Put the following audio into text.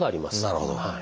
なるほど。